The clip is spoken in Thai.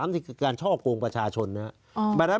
นี่คือการช่อกงประชาชนนะครับ